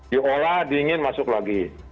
diolah dingin masuk lagi